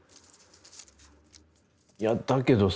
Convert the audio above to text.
いやだけどさ。